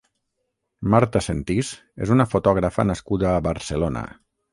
Marta Sentís és una fotògrafa nascuda a Barcelona.